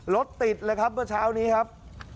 รถติดเลยครับเมื่อเช้านี้ครับ